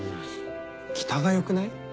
北がよくない？